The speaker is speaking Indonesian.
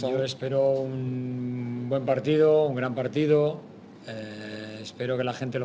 jadi apa yang anda harapkan dari mereka